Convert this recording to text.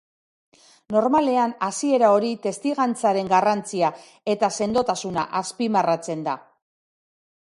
Normalean, hasiera hori testigantzaren garrantzia eta sendotasuna azpimarratzen da.